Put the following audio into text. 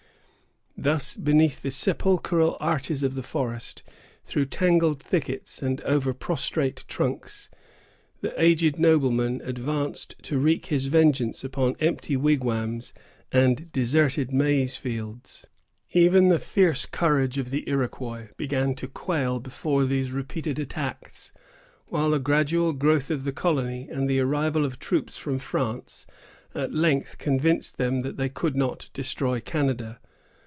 Thus, beneath the sepulchral arches of the forest, through tangled thickets, and over prostrate trunks, the aged nobleman advanced to wreak his vengeance upon empty wigwams and deserted maize fields. Even the fierce courage of the Iroquois began to quail before these repeated attacks, while the gradual growth of the colony, and the arrival of troops from France, at length convinced them that they could not destroy Canada.